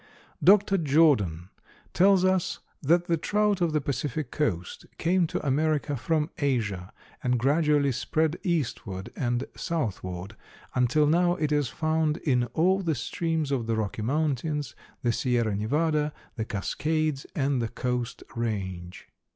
Dr. Jordan tells us that the trout of the Pacific coast came to America from Asia, and gradually spread eastward and southward until now it is found in all the streams of the Rocky Mountains, the Sierra Nevada, the Cascades and the Coast range.